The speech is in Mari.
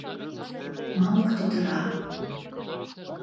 Мамык тӱтыра.